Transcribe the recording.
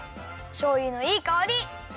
しょうゆのいいかおり！